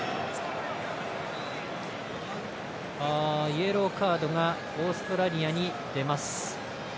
イエローカードがオーストラリアに出ます。